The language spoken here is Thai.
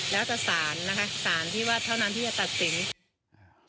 แล้วแต่สารนะคะสารที่ว่าเท่านั้นที่จะตัดสิน